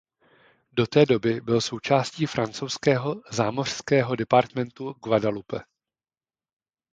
Do té doby byl součástí francouzského zámořského departementu Guadeloupe.